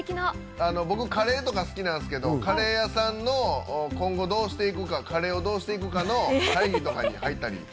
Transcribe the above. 僕、カレーとか好きなんですけど、カレー屋さんの今後どうしていくか、カレーをどうしていくかの会議とかに入ったり。